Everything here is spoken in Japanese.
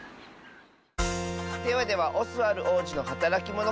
ではでは「オスワルおうじのはたらきモノ」